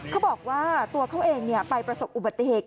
เขาบอกว่าตัวเขาเองไปประสบอุบัติเหตุ